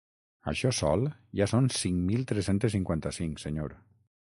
Això sol ja són cinc mil tres-centes cinquanta-cinc, senyor.